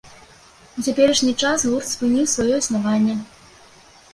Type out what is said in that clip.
У цяперашні час гурт спыніў сваё існаванне.